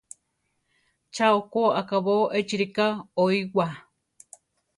¡Cha okó akábo échi rika oíwaa!